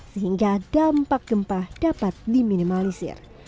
sehingga dampak gempa dapat di minimalisir